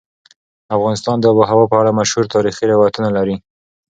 افغانستان د آب وهوا په اړه مشهور تاریخي روایتونه لري.